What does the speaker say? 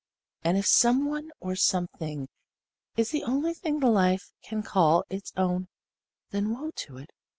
And if the some one or the some thing is the only thing the life can call its own, then woe to it.